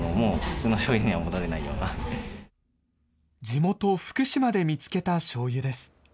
地元、福島で見つけたしょうゆです。